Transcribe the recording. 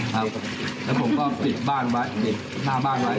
ครับแล้วผมก็ปิดหน้าบ้านไว้